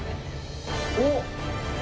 おっ！